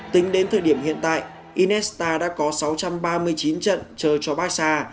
tính đến thời điểm hiện tại inesta đã có sáu trăm ba mươi chín trận chờ cho barca